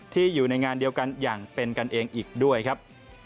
อยู่ในงานเดียวกันอย่างเป็นกันเองอีกด้วยครับ